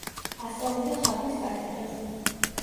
ასწავლიდა ხატვის კათედრაზე.